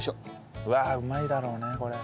うわうまいだろうねこれ。